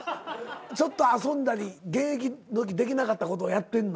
ちょっと遊んだり現役のときできなかったことやってんの？